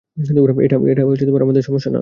এটা আমাদের সমস্যা না।